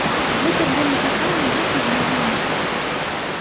Гэтак жа нечакана, як і з'явіліся.